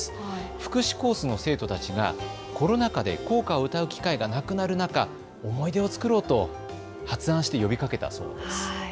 福祉コースの生徒たちがコロナ禍で校歌を歌う機会がなくなる中、思い出を作ろうと発案して呼びかけたそうです。